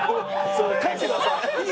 それ返してください。